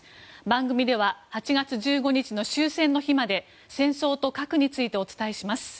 番組では８月１５日の終戦の日まで戦争と核についてお伝えします。